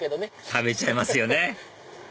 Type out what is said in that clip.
食べちゃいますよね